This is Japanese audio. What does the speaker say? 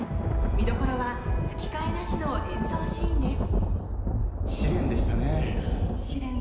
見どころは吹き替えなしの演奏シーンです。